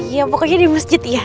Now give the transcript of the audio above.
ya pokoknya di masjid ya